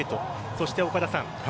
そして、岡田さん